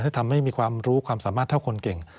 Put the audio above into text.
ทำให้มีความรู้ความสามารถเท่าคนเก่ง